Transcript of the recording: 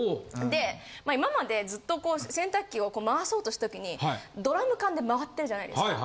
でまあ今までずっとこう洗濯機を回そうとしたときにドラム缶で回ってるじゃないですか。